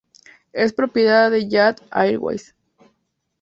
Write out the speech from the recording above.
Es propiedad de Jat Airways.